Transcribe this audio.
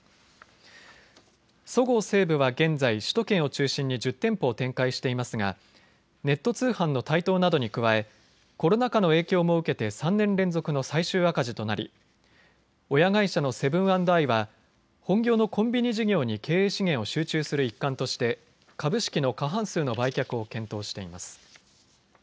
そごう・西武は現在、首都圏を中心に１０店舗を展開していますがネット通販の台頭などに加えコロナ禍の影響も受けて３年連続の最終赤字となり親会社のセブン＆アイは本業のコンビニ事業に経営資源を集中する一環として株式の過半数の売却を検討しています。